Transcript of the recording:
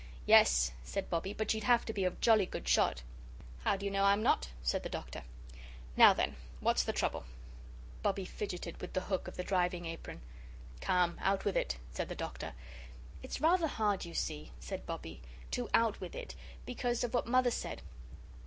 "Yes," said Bobbie, "but you'd have to be a jolly good shot." "How do you know I'm not?" said the Doctor. "Now, then, what's the trouble?" Bobbie fidgeted with the hook of the driving apron. "Come, out with it," said the Doctor. "It's rather hard, you see," said Bobbie, "to out with it; because of what Mother said."